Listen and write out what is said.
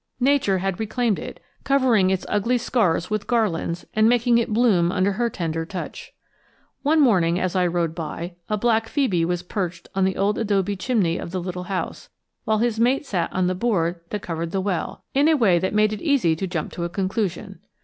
Nature had reclaimed it, covering its ugly scars with garlands, and making it bloom under her tender touch. One morning, as I rode by, a black phœbe was perched on the old adobe chimney of the little house, while his mate sat on the board that covered the well, in a way that made it easy to jump to a conclusion.